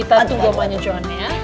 kita tunggu omanya juana ya